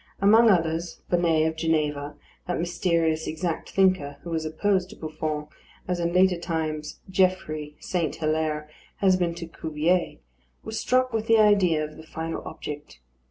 Among others, Bonnet of Geneva, that mysterious exact thinker, who was opposed to Buffon, as in later times Geoffrey St. Hilaire has been to Cuvier, was struck with the idea of the final object.